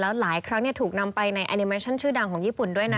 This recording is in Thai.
หลายครั้งถูกนำไปในแอนิเมชั่นชื่อดังของญี่ปุ่นด้วยนะ